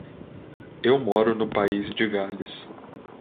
Eu moro no País de Gales.